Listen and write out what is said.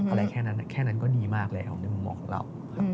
อะไรแค่นั้นแค่นั้นก็ดีมากแล้วในมุมมองของเรา